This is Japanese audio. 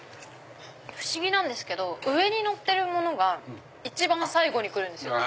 不思議なんですけど上にのってるものが一番最後に来るんですよ。